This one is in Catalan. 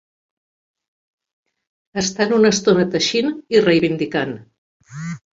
Estan una estona teixint i reivindicant.